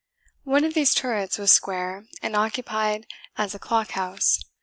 One of these turrets was square, and occupied as a clock house.